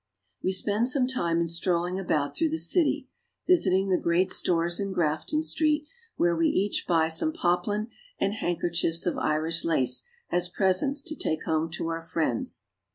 We spend some time in strolling about through the city, visiting the great stores in Grafton Street, where we each buy some poplin and handkerchiefs of Irish lace as presents to take home to our friends.